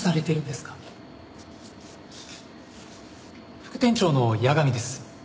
副店長の八神です。